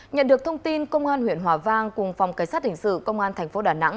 nhận được thông tin công an huyện hòa vang cùng phòng cảnh sát hình sự công an thành phố đà nẵng